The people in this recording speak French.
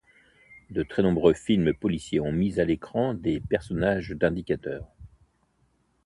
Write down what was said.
De très nombreux films policiers ont mis à l'écran des personnages d'indicateurs.